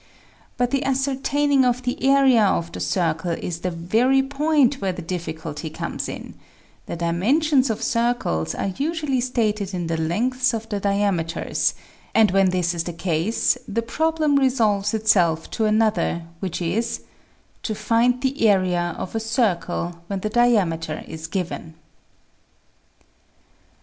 But the ascertaining of the area of the circle is the very point where the difficulty comes in ; the dimensions of circles are usually stated in the lengths of the diameters, and when this is the case, the problem re solves itself into another, which is : To find the area of a circle when the diameter is given.